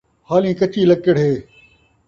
حالی کچّی لکّڑ ہِے